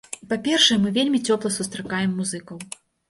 Па-першае, мы вельмі цёпла сустракаем музыкаў.